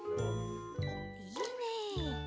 いいね。